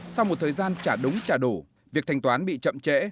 sau một thời gian trả đúng trả đủ việc thanh toán bị chậm trễ